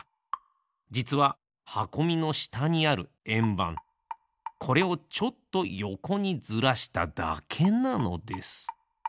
じつははこみのしたにあるえんばんこれをちょっとよこにずらしただけなのです。